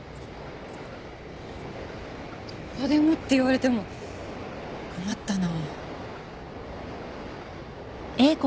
どこでもって言われても困ったな。